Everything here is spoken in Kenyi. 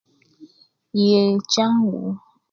Yee kyangu